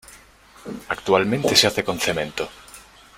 Actualmente se hace con cemento.